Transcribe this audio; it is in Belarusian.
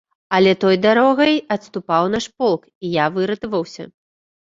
Але той дарогай адступаў наш полк, і я выратаваўся.